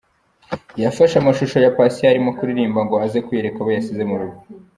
Yafashe amashusho ya Patient arimo kuririmba ngo aze kuyereka abo yasize mu rugo.